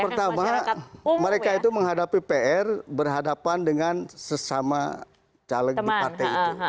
pertama mereka itu menghadapi pr berhadapan dengan sesama caleg di partai itu